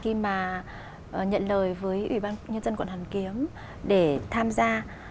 khi mà nhận lời với ủy ban nhân dân quận hoàn kiếm để tham gia